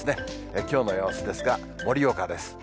きょうの様子ですが、盛岡です。